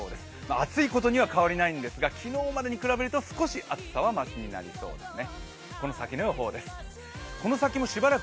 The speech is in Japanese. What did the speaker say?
暑いことには変わりないんですが、昨日までと比べると少し暑さはましになりそうですね。